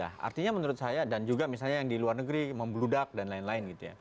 ya artinya menurut saya dan juga misalnya yang di luar negeri membludak dan lain lain gitu ya